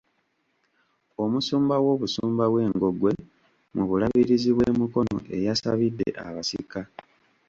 Omusumba w'obusumba bw'e Ngogwe mu Bulabirizi bw'e Mukono eyasabidde abasika